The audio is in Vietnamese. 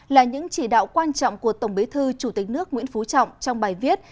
là những chỉ đạo quan trọng của tổng bế thư chủ tịch nước nguyễn phú trọng trong bài viết